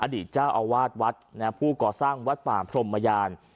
อดีตเจ้าอาวาสวัดผู้ก่อสร้างวัดป่าพรมยาน